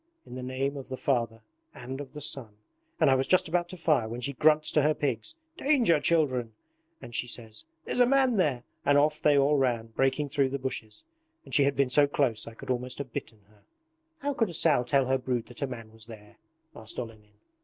"In the name of the Father and of the Son," and I was just about to fire when she grunts to her pigs: "Danger, children," she says, "there's a man here," and off they all ran, breaking through the bushes. And she had been so close I could almost have bitten her.' 'How could a sow tell her brood that a man was there?' asked Olenin.